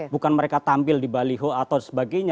bukan mereka tampil di baliho atau sebagainya